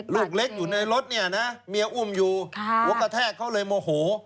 ลูกเล็กอยู่ในรถเนี่ยนะเมียอุ้มอยู่หัวกระแทกเขาเลยโมโห